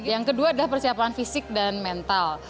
yang kedua adalah persiapan fisik dan mental